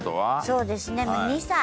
そうですね２歳。